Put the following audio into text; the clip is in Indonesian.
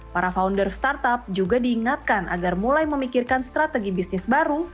para founder startup juga diingatkan agar mulai memikirkan strategi bisnis baru